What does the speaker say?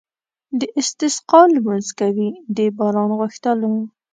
د استسقا لمونځ کوي د باران غوښتلو.